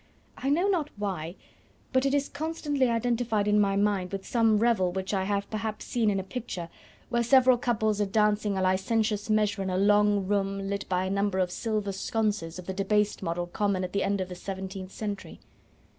I know not why, but it is constantly identified in my mind with some revel which I have perhaps seen in a picture, where several couples are dancing a licentious measure in a long room lit by a number of silver sconces of the debased model common at the end of the seventeenth century.